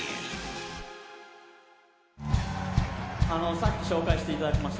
さっき紹介していただきました